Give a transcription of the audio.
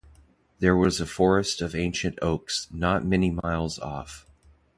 There was a forest of ancient oaks not many miles off.